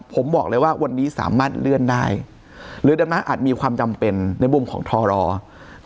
ผมบอกเลยว่าวันนี้สามารถเลื่อนได้หรือดันมาอาจมีความจำเป็นในมุมของทร